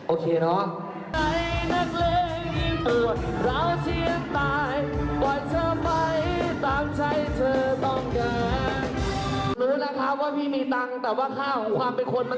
โอเคเนอะ